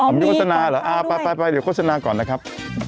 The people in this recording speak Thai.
ผมยุโฆษณาเหรออ่าไปเดี๋ยวโฆษณาก่อนนะครับ